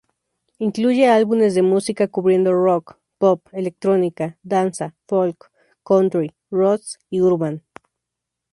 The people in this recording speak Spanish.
Incluye álbumes de música, cubriendo rock, pop, electrónica, danza, folk, country, roots y urban.